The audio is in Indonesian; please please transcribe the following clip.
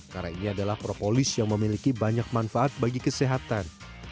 karena ini adalah propolis yang memiliki banyak manfaat bagi kesehatan